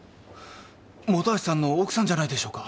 本橋さんの奥さんじゃないでしょうか？